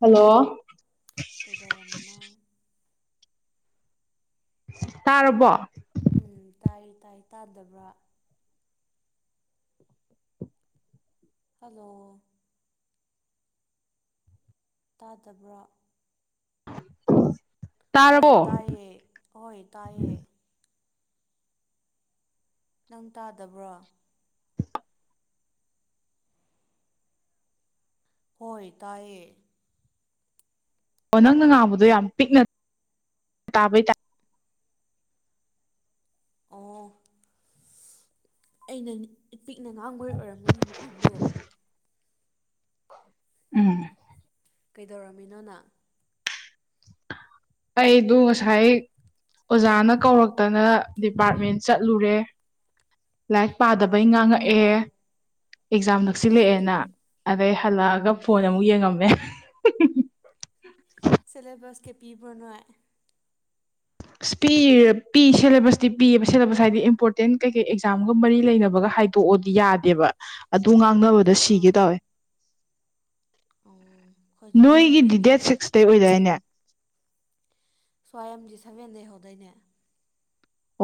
hello ꯀꯩꯗꯧꯔꯝꯃꯤꯅꯣ ꯇꯥꯔꯕꯣ ꯎꯝ ꯇꯥꯏ ꯇꯥꯏ ꯇꯥꯗꯕ꯭ꯔꯥ ꯍꯜꯂꯣ ꯇꯥꯗꯕ꯭ꯔꯣ ꯍꯣꯏ ꯇꯥꯔꯕꯣ ꯇꯥꯏꯌꯦ ꯍꯣꯏ ꯇꯥꯏꯌꯦ ꯅꯪ ꯇꯥꯗꯕ꯭ꯔꯣ ꯍꯣꯏ ꯇꯥꯏꯌꯦ ꯑꯣ ꯅꯪꯅ ꯉꯥꯡꯕꯗꯣ ꯌꯥꯝ ꯄꯤꯛꯅ ꯇꯥꯕꯩ ꯇꯥꯏ ꯑꯣ ꯑꯩꯅ ꯄꯤꯛꯅ ꯉꯥꯡꯕꯣꯏ ꯑꯣꯏꯔꯝꯃꯅꯤ ꯃꯈꯣꯟꯗꯣ ꯎꯝ ꯀꯩꯗꯧꯔꯝꯃꯤꯅꯣ ꯅꯪ ꯑꯩꯗꯨ ꯉꯁꯥꯏ ꯑꯣꯖꯥꯅ ꯀꯧꯔꯛꯇꯅ ꯗꯤꯄꯥꯔꯠꯃꯦꯟꯠ ꯆꯠꯂꯨꯔꯦ ꯂꯥꯏꯛ ꯄꯥꯗꯕꯩ ꯑꯣ ꯉꯥꯡꯉꯛꯑꯦ ꯑꯦꯛꯖꯥꯝ ꯅꯛꯁꯤꯜꯂꯛꯑꯦꯅ ꯑꯗꯩ ꯍꯜꯂꯛꯑꯒ ꯐꯣꯟ ꯑꯃꯨꯛ ꯌꯦꯡꯉꯝꯃꯦ ꯁꯦꯂꯦꯕꯁꯀ ꯄꯤꯕ꯭ꯔꯣ ꯅꯣꯥꯏ ꯑꯁ ꯄꯤ ꯄꯤ ꯁꯦꯂꯦꯕꯁꯇꯤ ꯄꯤꯌꯦꯕ ꯁꯦꯂꯦꯕꯁ ꯍꯥꯏꯗꯤ ꯏꯝꯄꯣꯔꯇꯦꯟꯠ ꯀꯩ ꯀꯩ ꯑꯦꯛꯖꯥꯝꯒ ꯃꯔꯤ ꯂꯩꯅꯕꯒ ꯍꯥꯏ ꯇꯣꯛꯑꯣꯗꯤ ꯌꯥꯗꯦꯕ ꯑꯗꯨ ꯉꯥꯡꯅꯕꯗ ꯁꯤꯒꯦ ꯑꯥ ꯇꯧꯋꯦ ꯎꯝ ꯑꯩꯈꯣꯏꯁꯨ ꯀꯔꯤꯝ ꯅꯣꯏꯒꯤꯗꯤ ꯗꯦꯠ ꯄꯤꯗꯦꯅꯦ ꯁꯤꯛꯁꯇꯩ ꯑꯣꯏꯗꯥꯏꯅꯦ ꯁ꯭ꯋꯥꯌꯝꯗꯤ ꯁꯦꯚꯦꯟꯗꯩ ꯍꯧꯗꯥꯏꯅꯦ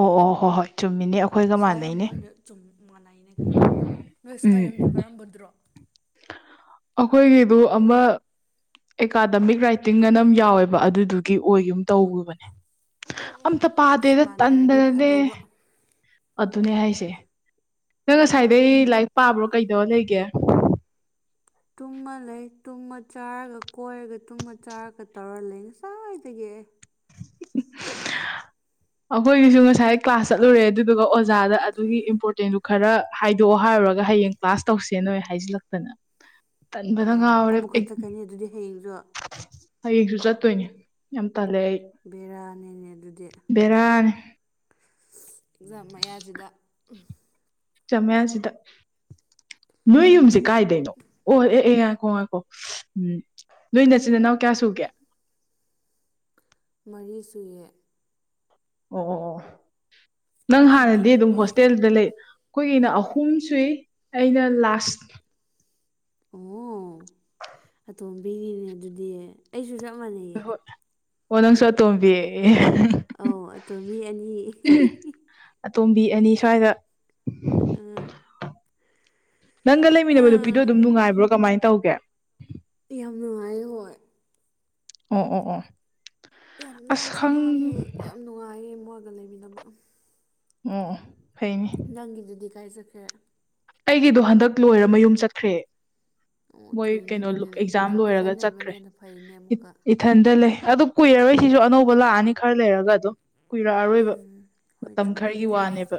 ꯑꯣ ꯑꯣ ꯍꯣ ꯍꯣꯏ ꯆꯨꯝꯃꯤꯅꯤ ꯁ꯭ꯋꯥꯏꯌꯝ ꯂꯣꯏꯅ ꯆꯨꯝ ꯃꯥꯟꯅꯩꯅꯦ ꯀꯩꯅꯣ ꯅꯣꯏ ꯁ꯭ꯋꯥꯏꯌꯝꯗꯣ ꯎꯝ ꯀꯔꯝꯕꯗ꯭ꯔꯣ ꯑꯩꯈꯣꯏꯒꯤꯗꯨ ꯑꯃ ꯑꯦꯀꯥꯗꯃꯤꯛ ꯔꯥꯏꯇꯤꯡꯉꯅ ꯑꯝ ꯌꯥꯎꯋꯦꯕ ꯑꯗꯨꯗꯨꯒꯤ ꯑꯣꯏꯒꯨꯝ ꯇꯧꯕꯅꯦ ꯑꯣ ꯑꯝꯇ ꯑꯁ ꯄꯥꯗꯦꯗ ꯃꯥꯟꯅꯔꯗꯤ ꯇꯟꯗꯅꯅꯦ ꯐꯗꯧꯕ ꯑꯗꯨꯅꯦ ꯍꯥꯏꯁꯦ ꯅꯪ ꯎꯝ ꯉꯁꯥꯏꯗꯩ ꯂꯥꯏꯔꯤꯛ ꯄꯥꯕ꯭ꯔꯣ ꯀꯩꯗꯧꯔ ꯂꯩꯒꯦ ꯇꯨꯝꯃ ꯂꯩ ꯇꯨꯝꯃ ꯆꯥꯔꯒ ꯀꯣꯏꯔꯒ ꯇꯨꯝꯃ ꯆꯥꯔꯒ ꯇꯧꯔ ꯂꯩ ꯉꯁꯥꯏꯗꯒꯤ ꯑꯩ [inaudible] ꯑꯩꯈꯣꯏꯒꯤꯁꯨ ꯉꯁꯥꯏ ꯀ꯭ꯂꯥꯁ ꯆꯠꯂꯨꯔꯦ ꯑꯗꯨꯗꯨꯒ ꯑꯣꯖꯥꯗ ꯑꯗꯨꯒꯤ ꯏꯝꯄꯣꯔꯇꯦꯟꯗꯨ ꯈꯔ ꯍꯥꯏꯗꯣꯛꯑꯣ ꯍꯥꯏꯔꯨꯔꯒ ꯍꯌꯦꯡ ꯀ꯭ꯂꯥꯁ ꯇꯧꯁꯦꯅ ꯑꯣꯏ ꯍꯥꯏꯖꯤꯜꯂꯛꯇꯅ ꯇꯟꯕꯅ ꯑꯥ ꯉꯥꯎꯔꯦ ꯑꯃꯨꯛꯀ ꯑꯩ ꯆꯠꯀꯅꯤ ꯑꯗꯨꯗꯤ ꯍꯌꯦꯡꯖꯨ ꯍꯌꯦꯡꯁꯨ ꯆꯠꯇꯣꯏꯅꯦ ꯌꯥꯝ ꯇꯜꯂꯦ ꯑꯩ ꯕꯦꯔꯥꯅꯤꯅꯦ ꯑꯗꯨꯗꯤ ꯕꯦꯔꯥꯅꯤ ꯑꯦꯛꯖꯥꯝ ꯃꯌꯥꯁꯤꯗ ꯎꯝ ꯑꯦꯛꯖꯥꯝ ꯃꯌꯥꯁꯤꯗ ꯅꯣꯏ ꯌꯨꯝꯖꯦ ꯀꯥꯏꯗꯩꯅꯣ ꯑꯣ ꯑꯦ ꯑꯦ ꯉꯥꯏꯈꯣ ꯉꯥꯏꯈꯣ ꯎꯝ ꯅꯣꯏ ꯅꯆꯤꯟ ꯅꯅꯥꯎ ꯀꯌꯥ ꯁꯨꯒꯦ ꯃꯔꯤ ꯁꯨꯌꯦ ꯑꯣ ꯑꯣ ꯑꯣ ꯅꯪ ꯅꯣꯏꯗꯤ ꯍꯥꯟꯅꯗꯤ ꯑꯗꯨꯝ ꯍꯣꯁꯇꯦꯜꯗ ꯂꯩ ꯑꯩꯈꯣꯏꯒꯤꯅ ꯑꯍꯨꯝ ꯁꯨꯏ ꯑꯩꯅ ꯂꯥꯁ ꯑꯣ ꯑꯇꯣꯝꯕꯤꯒꯤꯅꯦ ꯑꯗꯨꯗꯤ ꯑꯩꯁꯨ ꯆꯞ ꯃꯥꯟꯅꯩ ꯑꯣ ꯅꯪꯁꯨ ꯑꯇꯣꯝꯕꯤ ꯑꯧ ꯑꯇꯣꯝꯕꯤ ꯑꯅꯤ ꯑꯇꯣꯝꯕꯤ ꯑꯅꯤ ꯁ꯭ꯋꯥꯏꯗ ꯑꯥ ꯅꯪꯒ ꯂꯩꯃꯤꯟꯅꯕ ꯅꯨꯄꯤꯗꯣ ꯍꯥꯝ ꯑꯗꯨꯝ ꯅꯨꯡꯉꯥꯏꯕ꯭ꯔꯣ ꯀꯃꯥꯏꯅ ꯇꯧꯒꯦ ꯌꯥꯝ ꯅꯨꯡꯉꯥꯏ ꯍꯣꯏ ꯑꯣ ꯑꯣ ꯑꯣ ꯌꯥꯝ ꯑꯁ ꯅꯥꯟꯁꯨ ꯈꯪ ꯅꯥꯜꯂꯦ ꯌꯥꯝ ꯅꯨꯡꯉꯥꯏꯌꯦ ꯃꯣꯏꯒ ꯂꯩꯃꯤꯟꯅꯕ ꯑꯣ ꯐꯩꯅꯤ ꯅꯪꯒꯤꯗꯨꯗꯤ ꯀꯥꯏꯖꯈ꯭ꯔꯦ ꯑꯩꯒꯤꯗꯣ ꯍꯟꯗꯛ ꯂꯣꯏꯔ ꯃ ꯌꯨꯝ ꯆꯠꯈ꯭ꯔꯦ ꯑꯣ ꯃꯣꯏ ꯊꯨꯏꯅ ꯀꯩꯅꯣ ꯑꯗꯨꯗꯤꯅꯦ ꯑꯦꯛꯖꯥꯝ ꯅꯪ ꯂꯣꯏꯔꯒ ꯅꯊꯟ ꯆꯠꯈ꯭ꯔꯦ ꯂꯩꯕꯅꯦꯅ ꯐꯩꯅꯦ ꯑꯃꯨꯛꯀ ꯏꯊꯟꯗ ꯂꯩ ꯑꯗꯨ ꯀꯨꯏꯔꯔꯣꯏ ꯁꯤꯁꯨ ꯑꯅꯧꯕ ꯂꯥꯛꯑꯅꯤ ꯈꯔ ꯂꯩꯔꯒ ꯑꯗꯨꯝ ꯀꯨꯏꯔꯛꯑꯔꯣꯏꯕ ꯍꯣꯏ ꯃꯇꯝ ꯆꯨꯝꯃꯦ ꯈꯔꯒꯤ ꯋꯥꯅꯦꯕ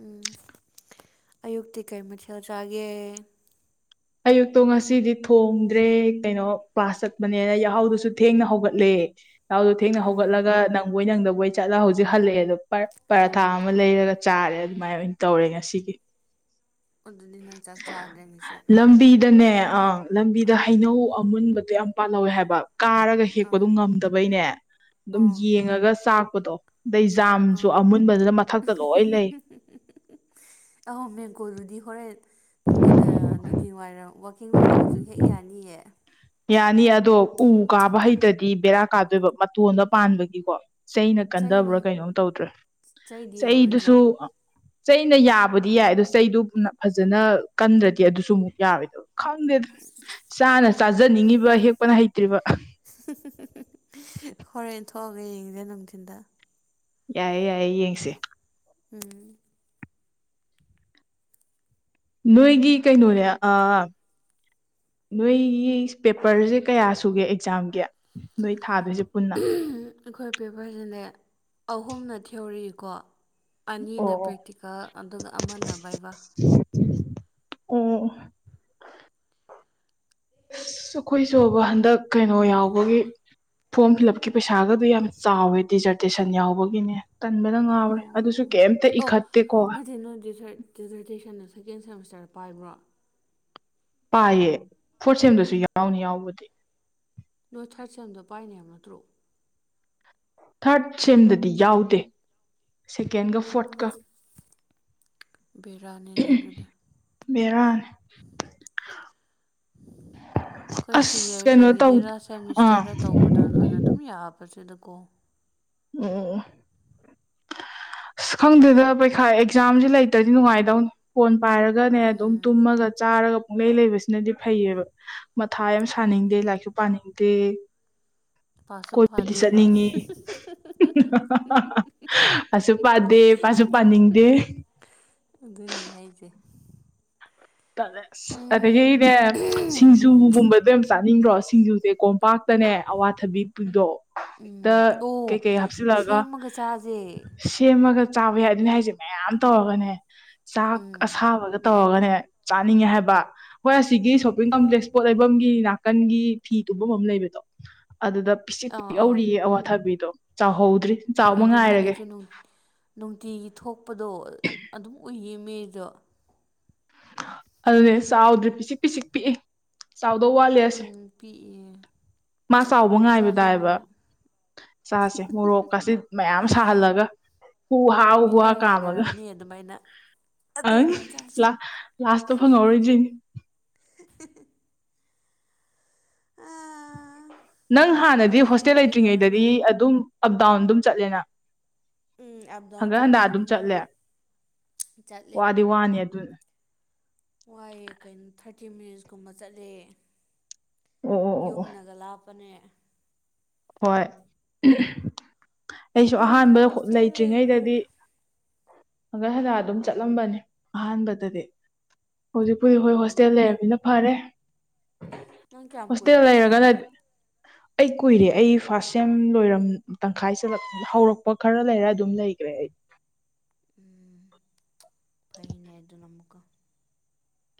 ꯎꯝ ꯑꯌꯨꯛꯇꯤ ꯀꯩ ꯃꯊꯦꯜ ꯆꯥꯒꯦ ꯑꯌꯨꯛꯇꯣ ꯉꯁꯤꯗꯤ ꯊꯣꯡꯗ꯭ꯔꯦ ꯀꯩꯅꯣ ꯄ꯭ꯂꯥꯁ ꯆꯛꯄꯅꯦꯅ ꯌꯥꯍꯥꯎꯗꯨꯁꯨ ꯊꯦꯡꯅ ꯍꯧꯒꯠꯂꯦ ꯆꯥꯎꯗꯨꯣ ꯊꯦꯡꯅ ꯎꯝ ꯍꯧꯒꯠꯂꯒꯪ ꯅꯪꯕꯣꯏ ꯅꯪꯗꯕꯣꯏ ꯆꯠꯂꯒ ꯍꯧꯖꯤꯛ ꯍꯜꯂꯛꯑꯦ ꯑꯗꯣ ꯄꯔꯥꯊꯥ ꯑꯃ ꯂꯩꯔꯒ ꯆꯥꯔꯦ ꯑꯗꯨꯃꯥꯏꯅ ꯑꯣꯏꯅ ꯇꯧꯔꯦ ꯉꯁꯤꯒꯤ ꯑꯗꯨꯗꯤ ꯅꯪ ꯆꯥꯛ ꯆꯥꯗ꯭ꯔꯦ ꯃꯤꯁꯦ ꯂꯝꯕꯤꯗꯅꯦ ꯑꯥ ꯂꯝꯕꯤꯗ ꯍꯩꯅꯧ ꯑꯃꯨꯟꯕꯗꯣ ꯌꯥꯝ ꯄꯥꯜꯍꯧꯋꯦ ꯍꯥꯏꯕ ꯀꯥꯔꯒ ꯍꯦꯛꯄꯗꯣ ꯑꯥ ꯉꯝꯗꯕꯩꯅꯦ ꯑꯗꯨꯝ ꯑꯥ ꯌꯦꯡꯉꯒ ꯆꯥꯛꯄꯗꯣ ꯑꯗꯩꯖꯥꯝꯁꯨ ꯑꯥ ꯑꯃꯨꯟꯕꯗꯨꯅ ꯃꯊꯛꯇ ꯂꯣꯏ ꯂꯩ ꯑ ꯃꯦꯡꯒꯣꯗꯨꯗꯤ ꯍꯣꯔꯦꯟ ꯅꯨꯡ ꯅꯨꯡꯊꯤꯟ ꯋꯥꯏꯔꯝ ꯋꯥꯛꯀꯤꯡ ꯊꯣꯛꯑꯒꯁꯨ ꯍꯦꯛ ꯌꯥꯅꯤꯌꯦ ꯌꯥꯅꯤ ꯑꯗꯣ ꯎ ꯀꯥꯕ ꯍꯩꯇ꯭ꯔꯗꯤ ꯕꯦꯔꯥ ꯀꯥꯗꯣꯏꯕ ꯃꯇꯣꯟꯗ ꯄꯥꯟꯕꯒꯤꯀꯣ ꯆꯩꯅ ꯀꯟꯗꯕ꯭ꯔꯥ ꯀꯩꯅꯣꯝ ꯇꯧꯗ꯭ꯔꯦ ꯆꯩꯗꯤ ꯌꯧꯔꯣꯏꯗ꯭ꯔꯣ ꯆꯩꯗꯨꯁꯨ ꯑ ꯆꯩꯅ ꯌꯥꯕꯨꯗꯤ ꯌꯥꯏ ꯑꯗꯣ ꯆꯩꯗꯨꯅ ꯐꯖꯅ ꯀꯟꯗ꯭ꯔꯗꯤ ꯑꯗꯨꯁꯨ ꯑꯃꯨꯛ ꯌꯥꯔꯣꯏꯗꯣꯏꯕ ꯈꯪꯗꯦ ꯑꯗꯨꯝ ꯆꯥꯅ ꯆꯥꯖꯅꯤꯡꯉꯤꯕ ꯍꯦꯛꯄꯅ ꯍꯩꯇ꯭ꯔꯤꯕ ꯍꯣꯔꯦꯟ ꯊꯣꯛꯑꯒ ꯌꯦꯡꯁꯦ ꯅꯨꯡꯊꯤꯟꯗ ꯌꯥꯏꯌꯦ ꯌꯥꯏꯌꯦ ꯌꯦꯡꯁꯦ ꯎꯝ ꯅꯣꯏꯒꯤ ꯀꯩꯅꯣꯅꯦ ꯑꯥ ꯅꯣꯏꯒꯤ ꯄꯦꯄꯔꯁꯦ ꯀꯌꯥ ꯁꯨꯒꯦ ꯑꯦꯛꯖꯥꯝꯒꯤ ꯅꯣꯏ ꯊꯥꯗꯣꯏꯁꯦ ꯄꯨꯟꯅ ꯑꯩꯈꯣꯏ ꯄꯦꯄꯔꯁꯤꯅꯦ ꯑꯍꯨꯝꯅ ꯊꯤꯔꯣꯀꯣ ꯑꯣ ꯑꯅꯤꯅ ꯑꯣ ꯄ꯭ꯔꯦꯛꯇꯤꯀꯜ ꯑꯗꯨꯒ ꯑꯃꯅ ꯕꯥꯏꯚ ꯑꯣ ꯑꯁ ꯑꯩꯈꯣꯏꯁꯨꯕ ꯍꯟꯗꯛ ꯀꯩꯅꯣ ꯌꯥꯎꯕꯒꯤ ꯐꯣꯔꯝ ꯐꯤꯜ ꯑꯞꯀꯤ ꯄꯩꯁꯥꯒꯗꯨ ꯌꯥꯝꯅ ꯆꯥꯎꯋꯦ ꯗꯤꯖꯔꯇꯦꯁꯟ ꯌꯥꯎꯕꯒꯤꯅꯦ ꯇꯟꯕꯗ ꯉꯥꯎꯔꯦ ꯑꯗꯨꯁꯨ ꯀꯩꯝꯇ ꯏꯈꯠꯇꯦꯀꯣ [unintelligible] ꯗꯤꯖꯔꯇꯦꯁꯟꯗ ꯁꯦꯀꯦꯟ ꯁꯦꯃꯤꯁꯇꯔꯗ ꯄꯥꯏꯕ꯭ꯔꯣ ꯄꯥꯏꯌꯦ ꯐꯣꯔꯠ ꯁꯦꯝꯗꯁꯨ ꯌꯥꯎꯅꯤ ꯌꯥꯎꯕꯗꯤ ꯅꯣꯏ ꯊꯥꯔꯠ ꯁꯦꯝꯗꯣ ꯄꯥꯏꯅꯦꯕ ꯅꯠꯇ꯭ꯔꯣ ꯊꯥꯔꯠ ꯁꯦꯝꯗꯗꯤ ꯌꯥꯎꯗꯦ ꯁꯦꯀꯦꯟꯒ ꯐꯣꯔꯠꯀ ꯕꯤꯔꯥꯅꯤꯅꯤ ꯑꯗꯨꯗꯤ ꯕꯦꯔꯥꯅꯤ ꯑꯩꯈꯣꯏ ꯑꯁ ꯀꯩꯅꯣ ꯇꯧ ꯁꯤꯅꯤꯌꯔꯁꯤꯡꯒꯤꯗꯤ ꯂꯥꯁ ꯑꯥ ꯁꯦꯃꯤꯁꯇꯔꯗ ꯇꯧꯕꯗꯣ ꯑꯣꯢꯅ ꯑꯗꯨꯝ ꯌꯥꯕ ꯁꯤꯗꯀꯣ ꯑꯣ ꯑꯁ ꯈꯪꯗꯗ ꯄꯩꯈꯥ ꯑꯦꯛꯖꯥꯝꯁꯨ ꯂꯩꯇ꯭ꯔꯗꯤ ꯅꯨꯡꯉꯥꯏꯗꯧꯅꯤ ꯐꯣꯟ ꯄꯥꯏꯔꯒꯅꯦ ꯑꯗꯨꯝ ꯇꯨꯝꯃꯒ ꯆꯥꯔꯒ ꯄꯨꯡꯂꯩ ꯂꯩꯕꯁꯤꯅꯗꯤ ꯐꯩꯌꯦꯕ ꯃꯊꯥ ꯌꯥꯝ ꯁꯥꯅꯤꯡꯗꯦ ꯑꯗꯨꯅꯦ ꯂꯥꯏꯔꯤꯛꯁꯨ ꯄꯥꯅꯤꯡꯗꯦ ꯄꯥꯁ ꯐꯥꯗꯦ ꯃꯥꯁꯨ ꯄꯥꯗꯦ ꯃꯥꯁꯨ ꯄꯥꯅꯤꯡꯗꯦ ꯑꯗꯨꯅꯦ ꯍꯥꯏꯁꯦ ꯑꯁ ꯎꯝ ꯑꯗꯒꯤꯅꯦ ꯁꯤꯡꯖꯨꯒꯨꯝꯕꯗꯣ ꯌꯥꯝ ꯆꯥꯅꯤꯡꯗ꯭ꯔꯣ ꯁꯤꯡꯖꯨꯁꯦ ꯀꯣ ꯄꯥꯛꯇꯅꯦ ꯑꯋꯥꯊꯕꯤꯗꯣ ꯍꯦꯛꯇ ꯀꯩꯀꯩ ꯍꯥꯞꯆꯤꯜꯂꯛꯒ ꯆꯖꯦ ꯁꯦꯝꯃꯒ ꯆꯥꯕ ꯌꯥꯗꯅꯤ ꯍꯥꯏꯁꯦ ꯃꯌꯥꯝ ꯇꯧꯔꯒꯅꯦ ꯆꯥꯛ ꯎꯝ ꯑꯁꯥꯕꯒ ꯇꯧꯔꯒꯅꯦ ꯆꯥꯅꯤꯡꯉꯦ ꯍꯥꯏꯕ ꯍꯣꯏ ꯑꯁꯤꯒꯤ ꯁꯣꯞꯄꯤꯡ ꯀꯝꯄ꯭ꯂꯦꯛꯁ ꯄꯣꯠ ꯂꯩ ꯇꯨꯝꯐꯝꯒꯤ ꯅꯥꯀꯟꯒꯤ ꯐꯤ ꯇꯨꯐꯝ ꯑꯃ ꯂꯩꯕꯗꯣ ꯑꯗꯨꯗ ꯄꯤꯁꯤꯛ ꯑꯥ ꯑꯥ ꯄꯤꯛꯍꯧꯔꯤꯌꯦ ꯑꯋꯥꯊꯕꯤꯗꯣ ꯆꯥꯎꯍꯧꯗ꯭ꯔꯤ ꯆꯥꯎꯕ ꯑꯗꯨꯅꯦ ꯉꯥꯏꯔꯒꯦ ꯑꯩꯁꯨ ꯅꯨꯡꯇꯤꯒꯤ ꯊꯣꯛꯄꯗꯣ ꯑꯗꯨꯝ ꯎꯏꯌꯦ ꯃꯤꯗꯣ ꯑꯗꯨꯅꯦ ꯆꯥꯎꯗ꯭ꯔꯔꯤ ꯄꯤꯁꯤꯛ ꯄꯤꯁꯤꯛ ꯄꯤꯛꯏ ꯆꯥꯎꯗꯧ ꯋꯥꯠꯂꯦꯁꯦ ꯎꯝ ꯄꯤꯛꯏ ꯃꯥ ꯆꯥꯎꯕ ꯆꯥꯁꯦ ꯉꯥꯏꯕꯗꯥꯏꯕ ꯅꯣꯡꯃ ꯆꯥꯁꯦ ꯃꯣꯔꯣꯛ ꯀꯥꯁꯤ ꯃꯌꯥꯝ ꯁꯥꯍꯜꯂꯒ ꯍꯨꯍ ꯃꯤ ꯍꯨꯍ ꯂꯣꯏ ꯀꯥꯝꯃꯒ ꯉꯥꯏꯅꯔꯝꯅꯤ ꯑꯗꯨꯃꯥꯏꯅ ꯑꯗꯨꯅꯦ ꯆꯥꯁꯦ ꯂꯥꯁꯇꯣ ꯐꯪꯍꯧꯔꯣꯏꯗꯣꯏꯅꯦ [unintelligible] ꯑꯥ ꯅꯪ ꯍꯥꯟꯅꯗꯤ ꯍꯣꯁꯇꯦꯜ ꯂꯩꯇ꯭ꯔꯤꯉꯩꯗꯗꯤ ꯑꯗꯨꯝ ꯑꯞ ꯗꯥꯎꯟ ꯑꯗꯨꯝ ꯆꯠꯂꯦꯅ ꯎꯝ ꯑꯞ ꯗꯥꯎꯟ ꯍꯪꯀꯠ ꯍꯟꯗ ꯆꯠꯂꯦ ꯑꯗꯨꯝ ꯆꯠꯂꯦ ꯆꯠꯂꯦ ꯋꯥꯗꯤ ꯋꯥꯅꯤ ꯑꯗꯨꯅ ꯋꯥꯏꯑꯦ ꯀꯩꯅꯣ ꯊꯥꯔꯇꯤ ꯃꯤꯅꯤꯠꯁ ꯀꯨꯝꯕ ꯆꯠꯂꯦ ꯑꯣ ꯑꯣ ꯑꯣ ꯑꯣ ꯌꯨꯝꯅꯒ ꯂꯥꯞꯄꯅꯦ ꯍꯣꯏ ꯑꯩꯁꯨ ꯑꯗꯨꯒꯤ ꯑꯍꯥꯟꯕ ꯍꯣꯁꯇꯦꯜ ꯂꯩꯔꯨꯔꯦ ꯂꯩꯇ꯭ꯔꯤꯉꯩꯗꯗꯤ ꯑꯒ ꯍꯜꯂ ꯑꯗꯨꯝ ꯆꯠꯂꯝꯕꯅꯦ ꯑꯍꯥꯟꯕꯗꯗꯤ ꯍꯧꯖꯤꯛꯄꯨꯗꯤ ꯈꯣꯏ ꯍꯣꯁꯇꯦꯜ ꯎꯝ ꯂꯩꯔꯕꯅꯤꯅ ꯐꯔꯦ ꯅꯪ ꯀꯌꯥꯝ ꯍꯣꯁꯇꯦꯜ ꯀꯨꯏꯔꯒꯦ ꯂꯩꯔꯒꯅ ꯂꯩꯔꯛꯄ ꯑꯩ ꯀꯨꯏꯔꯦ ꯑꯩ ꯐꯥꯔꯁ ꯁꯦꯝ ꯂꯣꯏꯔꯝ ꯇꯪꯈꯥꯏ ꯆꯂꯛ ꯍꯧꯔꯛꯄ ꯈꯔ ꯂꯩꯔ ꯑꯗꯨꯝ ꯂꯩꯈ꯭ꯔꯦ ꯑꯩ ꯎꯝ ꯐꯩꯅꯦ ꯑꯗꯨꯅ ꯑꯃꯨꯛꯀ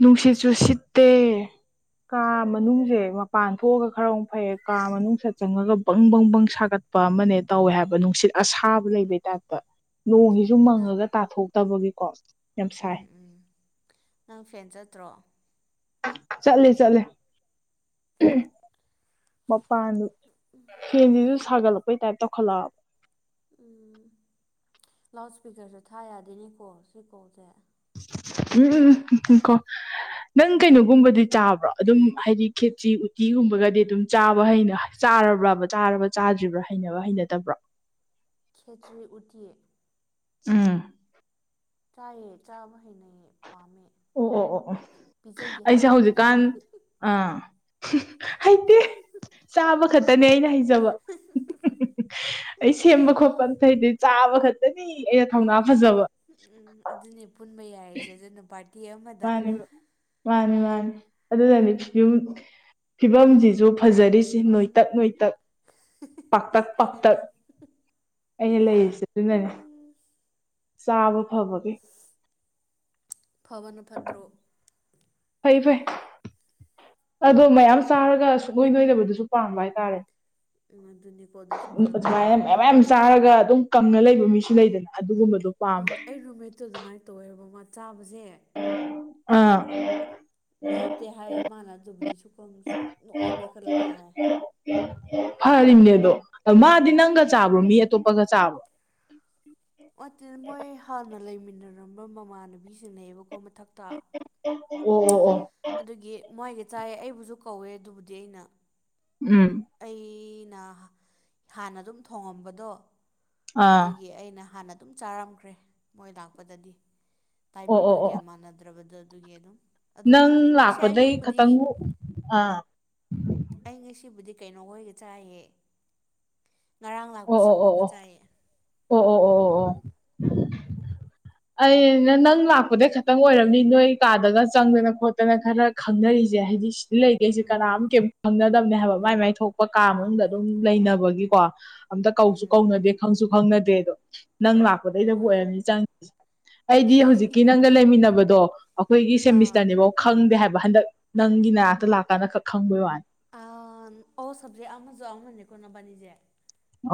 ꯅꯨꯡꯁꯤꯠꯁꯨ ꯁꯤꯠꯇꯦ ꯀꯥ ꯃꯅꯨꯡꯁꯦ ꯃꯄꯥꯟ ꯊꯣꯛꯑꯒ ꯈꯔ ꯑꯃꯨꯛ ꯐꯩꯌꯦ ꯀꯥ ꯃꯅꯨꯡꯁꯠ ꯆꯪꯉꯒ ꯕꯪ ꯕꯪ ꯕꯪ ꯁꯥꯒꯠ ꯄ ꯑꯃꯅꯦ ꯇꯧꯋꯦ ꯍꯥꯏꯕ ꯅꯨꯡꯁꯤꯠ ꯑꯁꯥꯕ ꯂꯩꯕꯩ ꯇꯥꯏꯞꯇ ꯅꯣꯡ ꯁꯨ ꯅꯪ ꯃꯪꯉꯒ ꯇꯥꯊꯣꯛꯇꯕꯒꯤꯀꯣ ꯌꯥꯝ ꯁꯥꯏ ꯎꯝ ꯎꯝ ꯅꯪ ꯐꯦꯟ ꯆꯠꯇ꯭ꯔꯣ ꯆꯠꯂꯦ ꯆꯠꯂꯦ ꯃꯄꯥꯟꯗꯨ ꯎꯝ ꯐꯦꯟꯁꯤꯁꯨ ꯁꯥꯒꯠꯂꯛꯄꯩ ꯇꯥꯏꯞ ꯇꯧꯈꯠꯂꯛꯑꯕ ꯎꯝ ꯂꯥꯎꯠ ꯏꯁꯄꯤꯀꯔꯁꯨ ꯊꯥ ꯌꯥꯗ‌ꯦꯅ‌ꯦ ꯀꯣꯜ ꯁꯤꯀꯣꯜꯁꯦ ꯎꯝ ꯉꯈ‌ꯣ ꯅꯪ ꯀꯩꯅꯣꯒꯨꯝꯕꯗꯤ ꯆꯥꯕ꯭ꯔꯣ ꯑꯗꯨꯝ ꯍꯥꯏꯗꯤ ꯈꯦꯆꯤ ꯎꯇꯤꯒꯨꯝꯕꯒꯗꯤ ꯑꯗꯨꯝ ꯆꯥꯕ ꯍꯩꯅ ꯆꯥꯔꯕ꯭ꯔꯕ ꯆꯥꯔꯕ ꯆꯥꯗ꯭ꯔꯤꯕ꯭ꯔꯥ ꯍꯩꯅꯕ ꯍꯩꯅꯗꯕ꯭ꯔꯣ ꯈꯦꯆ꯭ꯔꯤ ꯎꯠꯇꯤ ꯎꯝ ꯆꯥꯑꯦ ꯆꯥꯕ ꯍꯩꯅꯩꯑꯦ ꯄꯥꯝꯃꯦ ꯑꯣ ꯑꯣ ꯑꯣ ꯑꯣ ꯄꯤꯖꯒꯦ ꯑꯩꯁꯦ ꯍꯥꯏꯕ꯭ꯔꯣ ꯍꯧꯖꯤꯛꯀꯥꯟ ꯑꯥ ꯍꯩꯇꯦ ꯆꯥꯕ ꯈꯛꯇꯅꯦ ꯑꯩꯅ ꯍꯩꯖꯕ ꯑꯩ ꯁꯦꯝꯕ ꯈꯣꯠꯄ ꯑꯇꯩꯩꯗꯤ ꯆꯥꯕ ꯈꯛꯇꯅꯤ ꯑꯩꯅ ꯊꯧꯅꯥ ꯐꯖꯕ ꯎꯝ ꯑꯗꯨꯅꯦ ꯄꯨꯟꯕ ꯌꯥꯔꯤꯖ‌‌ꯦ ꯑꯗꯨꯅ ꯕꯥꯔꯠ ꯃꯥꯅꯤ ꯃꯥꯅꯤ ꯃꯥꯅꯤ ꯑꯗꯨꯅꯅꯤ ꯌꯨꯝ ꯐꯤꯕꯝꯁꯤꯁꯨ ꯐꯖꯔꯤꯁꯤ ꯎꯝ ꯅꯣꯏꯇꯛ ꯅꯣꯏꯇꯛ ꯄꯥꯛꯇꯛ ꯄꯥꯛꯇꯛ ꯑꯅꯤꯃꯛ ꯑꯩꯅ ꯂꯩꯔꯤꯁꯦ ꯑꯗꯨꯅꯅꯦ ꯎꯝ ꯆꯥꯕ ꯐꯕ ꯐꯕꯅ ꯐꯠꯇ꯭ꯔꯣ ꯐꯩ ꯐꯩ ꯑꯗꯣ ꯃꯌꯥꯝ ꯆꯥꯔꯒ ꯁꯨꯡꯅ‌ꯣꯏ ꯅ‌ꯣꯏꯗꯕꯗꯨꯁꯨ ꯄꯥꯝꯕ ꯍꯥꯏꯇꯥꯔꯦ ꯎꯪ ꯑꯗꯨꯅꯤꯀꯣ ꯗꯨꯁꯨ ꯃꯔꯛꯇ ꯑꯗꯨꯃꯥꯏꯅ ꯄꯥꯝꯃ‌ꯦ ꯃꯌꯥꯝ ꯃꯌꯥꯝ ꯆꯥꯔꯒ ꯑꯗꯨꯝ ꯀꯪꯉ ꯂꯩꯕ ꯃꯤꯁꯨ ꯂꯩꯗꯅ ꯑꯗꯨꯒꯨꯝꯕꯗꯣ ꯎꯝ ꯄꯥꯝꯕ ꯑꯩ ꯔꯨꯝ ꯃ‌ꯦꯠꯇꯨ ꯑꯗꯨꯃꯥꯏꯅ ꯇꯧꯋꯦꯕ ꯃꯥ ꯆꯥꯕꯁꯦ ꯑꯥ ꯂꯦꯞꯇꯦ ꯍꯥꯏꯌꯦ ꯃꯥꯅ ꯑꯗꯨꯕꯨꯗꯤ ꯁꯨꯀꯪ ꯅꯣꯏ ꯂꯣꯏꯈꯠꯂꯛꯇꯦ ꯍꯥꯏ ꯐꯔꯤꯅꯦ ꯑꯗꯣ ꯃꯥꯗꯤ ꯅꯪꯒ ꯆꯥꯕ꯭ꯔꯣ ꯑꯗꯨꯅꯦ ꯃꯤ ꯑꯇꯣꯞꯄꯒ ꯆꯥꯕ꯭ꯔꯣ ꯅꯠꯇ‌ꯦ ꯃꯣꯏ ꯍꯥꯟꯅ ꯂꯩꯃꯤꯟꯅꯔꯝꯕ ꯃꯃꯥꯟꯅꯕꯤꯁꯤꯡ ꯂꯩꯌ‌ꯦꯕꯀꯣ ꯃꯊꯛꯇ ꯑꯣ ꯑꯣ ꯑꯣ ꯑꯗꯨꯒꯤ ꯃꯣꯏꯒ ꯆꯥꯏ ꯑꯩꯕꯨꯁꯨ ꯀꯧꯋꯦ ꯑꯗꯨꯕꯨꯗꯤ ꯑꯩꯅ ꯎꯝ ꯑꯩꯅ ꯍꯥꯟꯅ ꯑꯗꯨꯝ ꯊꯣꯡꯉꯝꯕꯗꯣ ꯑꯥ ꯑꯗꯨꯒꯤ ꯑꯩꯅ ꯍꯥꯟꯅ ꯑꯗꯨꯝ ꯆꯥꯔꯝꯈ꯭ꯔꯦ ꯃꯣꯏ ꯂꯥꯛꯄꯗꯗꯤ ꯑꯣ ꯇꯥꯏꯃꯤꯡꯗꯣ ꯑꯣ ꯀꯌꯥ ꯑꯣ ꯃꯥꯟꯅꯗ꯭ꯔꯕꯗꯣ ꯑꯗꯨꯒꯤ ꯑꯗꯨꯝ ꯑꯗꯣ ꯅꯪ ꯉꯁꯤ ꯂꯥꯛꯄꯗꯩ ꯑꯌꯨꯛꯄꯨꯗꯤ ꯈꯇꯪ ꯑꯥ ꯑꯩ ꯉꯁꯤꯕꯨꯗꯤ ꯀꯩꯅꯣ ꯍꯣꯏꯒ ꯆꯥꯏꯌꯦ ꯉꯔꯥꯡ ꯑꯣ ꯂꯥꯛꯄꯁꯤꯡꯗꯨꯒ ꯑꯣ ꯆꯥꯏꯌꯦ ꯑꯣ ꯑꯣ ꯑꯣ ꯑꯣ ꯑꯣ ꯑꯣ ꯑꯣ [inaudible] ꯑ ꯅꯪ ꯂꯥꯛꯄꯗꯩ ꯈꯇꯪ ꯑꯣꯏꯔꯝꯃꯤ ꯅꯣꯏ ꯀꯥꯗꯒ ꯆꯪꯗꯅ ꯈꯣꯠꯇꯅ ꯈꯔ ꯈꯪꯅꯔꯤꯁꯦ ꯍꯥꯏꯗꯤ ꯃꯤ ꯂꯩꯇꯦ ꯁꯤ ꯎꯝ ꯀꯅꯥꯝ ꯀꯩꯝ ꯈꯪꯅꯗꯕꯅꯦ ꯍꯥꯏꯕ ꯃꯥꯏ ꯃꯥꯏ ꯊꯣꯛꯄ ꯀꯥ ꯃꯅꯨꯡꯗ ꯑꯗꯨꯝ ꯂꯩꯅꯕꯒꯤꯀꯣ ꯑꯝꯇ ꯀꯧꯁꯨ ꯎꯝ ꯎꯝ ꯀꯧꯅꯗꯦ ꯈꯪꯁꯨ ꯈꯪꯅꯗꯦ ꯑꯗꯣ ꯅꯪ ꯂꯥꯛꯄꯗꯩꯗꯕꯨ ꯍꯣꯏ ꯑꯣꯏꯔꯝꯅꯤ ꯆꯪꯉꯤ ꯑꯩꯗꯤ ꯍꯧꯖꯤꯛꯀꯤ ꯅꯪꯒ ꯂꯩꯃꯤꯟꯅꯕꯗꯣ ꯑꯩꯈꯣꯏꯒꯤ ꯑꯥ ꯁꯦꯃꯤꯁꯇꯔꯅꯦ ꯕꯧ ꯈꯪꯗꯦ ꯍꯥꯏꯕ ꯍꯟꯗꯛ ꯅꯪꯒꯤ ꯅꯅꯥꯛꯇ ꯂꯥꯛꯀꯥꯟꯗ ꯈꯛ ꯈꯪꯕꯩ ꯋꯥꯅꯤ ꯑꯥ ꯑꯣ ꯁꯕꯖꯦꯛ ꯑꯃꯁꯨ ꯑꯃꯅꯦꯀꯣ ꯅꯕꯥꯅꯤꯁꯦ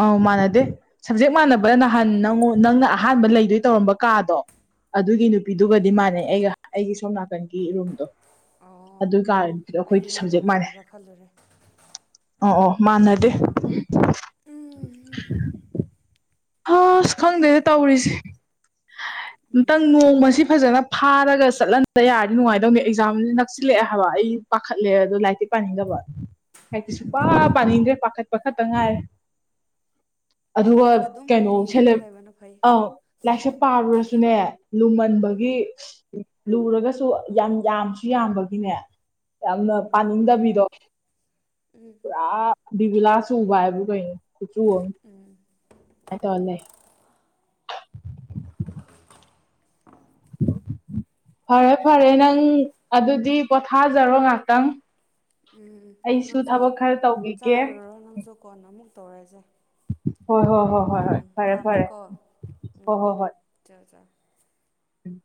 ꯑꯥꯎ ꯃꯥꯟꯅꯗꯦ ꯁꯞꯖꯦꯛ ꯃꯥꯟꯅꯕꯗ ꯅꯍꯥꯟ ꯅꯪꯉ ꯅꯪꯅ ꯑꯍꯥꯟꯕ ꯂꯩꯗꯣꯏ ꯇꯧꯔꯝꯕ ꯀꯥꯗꯣ ꯑꯗꯨꯒꯤ ꯎꯝ ꯅꯨꯄꯤꯗꯨꯒꯗꯤ ꯎꯝ ꯃꯥꯟꯅꯩ ꯑꯩꯒ ꯑꯩꯒꯤ ꯁꯣꯝ ꯅꯥꯀꯟꯒꯤ ꯔꯨꯝꯗꯣ ꯑꯣ ꯑꯗꯨꯏ ꯀꯥꯔ ꯅꯨꯄꯤꯗ‌ꯣ ꯑꯩꯗꯤ ꯑꯩꯈꯣꯏꯒꯤ ꯅꯪꯒ ꯁꯕꯖꯦꯛ ꯃꯥꯟꯅꯩ ꯃꯥꯟꯅꯕ꯭ꯔꯥ ꯈꯜꯂꯨꯔꯦ ꯑꯣ ꯑꯣ ꯃꯥꯟꯅꯗꯦ ꯎꯝ [inaudible] ꯑꯁ ꯈꯪꯗꯦꯗ ꯇꯧꯔꯤꯁꯦ ꯑꯝꯇꯪ ꯅꯣꯡꯃꯁꯤ ꯐꯖꯅ ꯐꯥꯔꯒ ꯆꯠꯍꯟꯗ ꯌꯥꯔꯗꯤ ꯅꯨꯡꯉꯥꯏꯗꯧꯅꯤ ꯑꯦꯛꯖꯥꯝꯁꯤ ꯅꯛꯁꯤꯜꯂꯛꯑꯦ ꯍꯥꯏꯕ ꯑꯩ ꯄꯥꯈꯠꯂꯦ ꯑꯗꯣ ꯂꯥꯏꯔꯤꯛꯇꯤ ꯄꯥꯅꯤꯡꯗꯕ [inaudible] ꯂꯥꯏꯛꯇꯤ ꯁꯨꯄꯥ ꯑꯗꯨꯅꯤ ꯄꯥꯅꯤꯡꯗ꯭ꯔꯦ ꯄꯥꯈꯠ ꯄꯥꯈꯠꯇ ꯉꯥꯏꯔꯦ ꯑꯗꯨꯒ ꯄꯥꯈꯠꯂꯒ ꯑꯗꯨꯝ ꯀꯩꯅꯣ ꯃꯨꯚꯤ ꯌꯦꯡꯉꯒ ꯁꯦꯂꯦꯕ ꯂꯩꯕꯅ ꯐꯩ ꯑ ꯂꯥꯏꯔꯤꯛꯁꯦ ꯄꯥꯔꯨꯔꯁꯨꯅꯦ ꯂꯨꯝꯃꯟꯕꯒꯤ ꯂꯨꯔꯒꯁꯨ ꯌꯥꯝ ꯌꯥꯝꯁꯨ ꯌꯥꯝꯕꯒꯤꯅꯦ ꯌꯥꯝꯅ ꯎꯝ ꯄꯥꯅꯤꯡꯗꯕꯤꯗꯣ ꯄꯨꯔꯥ ꯕꯤꯕꯨꯂꯥ ꯆꯨꯕ ꯍꯥꯏꯕꯨ ꯀꯩꯅꯣ ꯈꯨꯠꯆꯨ ꯑꯃ ꯎꯝ [unintelligible] ꯇꯧꯔ ꯂꯩ ꯐꯔꯦ ꯐꯔꯦ ꯅꯪ ꯑꯗꯨꯗꯤ ꯄꯣꯊꯥꯖꯔꯣ ꯉꯥꯛꯇꯪ ꯎꯝ ꯑꯩꯁꯨ ꯅꯪꯁꯨ ꯊꯕꯛ ꯈꯔ ꯇꯧꯈꯤꯒꯦ ꯆꯥꯔꯨꯔꯣ ꯅꯪꯁꯨ ꯀꯣꯟꯅ ꯑꯃꯨꯛ ꯇꯧꯔꯁꯦ ꯍꯣꯏ ꯍꯣꯏ ꯍꯣꯏ ꯍꯣꯏ ꯍꯣꯏ ꯎꯝ ꯐꯔꯦ ꯐꯔꯦ ꯊꯝꯃꯦꯀꯣ ꯎꯝ ꯆ ꯆ ꯎꯝ